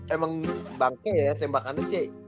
emang bangking ya tembakannya sih